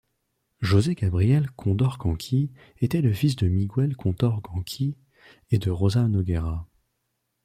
José Gabriel Condorcanqui était le fils de Miguel Condorcanqui et de Rosa Noguera.